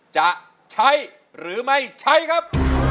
จะใช้หรือไม่ใช้ครับ